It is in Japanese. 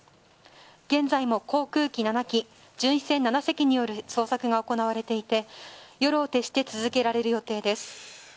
現在も航空機７機巡視船７隻による捜索が行われていて夜を徹して続けられる予定です。